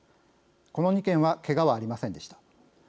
この２件はけがはありませんでした。